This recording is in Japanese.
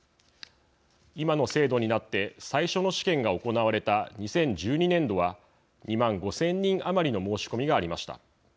今の制度になって、最初の試験が行われた２０１２年度は２万５０００人余りの申し込みがありました。